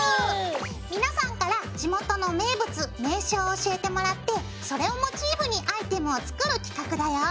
皆さんから地元の名物名所を教えてもらってそれをモチーフにアイテムを作る企画だよ！